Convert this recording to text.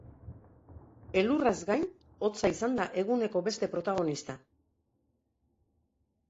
Elurraz gain, hotza izan da eguneko beste protagonista.